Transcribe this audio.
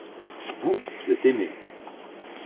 Vous, vous êtes aimé.